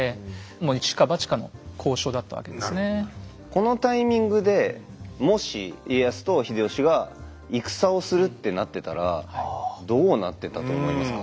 このタイミングでもし家康と秀吉が戦をするってなってたらどうなってたと思いますか？